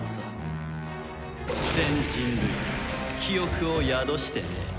全人類の記憶を宿してね。